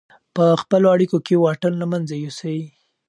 په خپلو اړیکو کې واټن له منځه یوسئ.